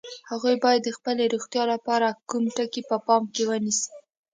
هغوی باید د خپلې روغتیا لپاره کوم ټکي په پام کې ونیسي؟